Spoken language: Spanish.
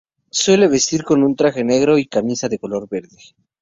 Suele vestir con un traje negro y camisa de color verde.